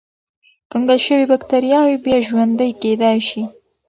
کنګل شوې بکتریاوې بیا ژوندی کېدای شي.